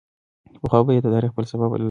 پخوا به یې د تاریخ فلسفه بلله.